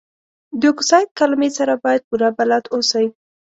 د اکسایډ کلمې سره باید پوره بلد اوسئ.